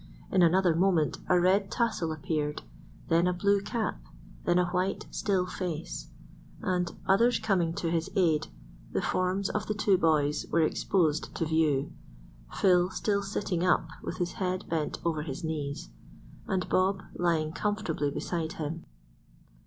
In another moment a red tassel appeared, then a blue cap, then a white, still face, and, others coming to his aid, the forms of the two boys were exposed to view, Phil still sitting up with his head bent over his knees, and Bob lying comfortably beside him.